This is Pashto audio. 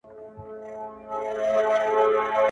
• شپې په تمه د سهار یو ګوندي راسي -